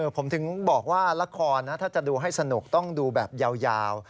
ผมถึงบอกว่าละครนะถ้าจะดูให้สนุกต้องดูแบบยาว